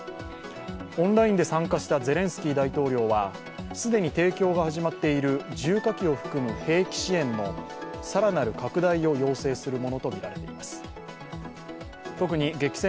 オンラインで参加したゼレンスキー大統領は既に提供が始まっている重火器を含む兵器支援の更なる拡大を要請するものとみられています。